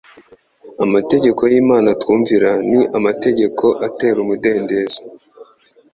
Amategeko y'Imana twumvira ni «amategeko atera umudendezo.'°»